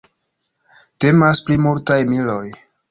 Temas pri multaj miloj.